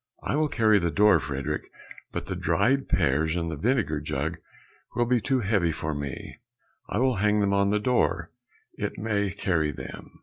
"I will carry the door, Frederick, but the dried pears and the vinegar jug will be too heavy for me, I will hang them on the door, it may carry them."